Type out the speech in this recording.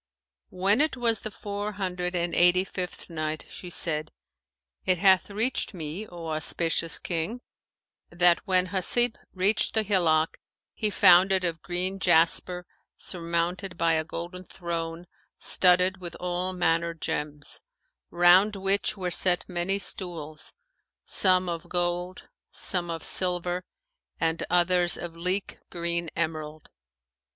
When it was the Four Hundred and Eighty fifth Night, She said, It hath reached me, O auspicious King, that when Hasib reached the hillock he found it of green jasper surmounted by a golden throne studded with all manner gems, round which were set many stools, some of gold, some of silver and others of leek green emerald.